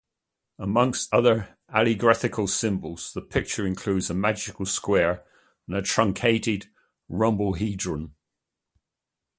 Amongst other allegorical symbols, the picture includes a magic square and a truncated rhombohedron.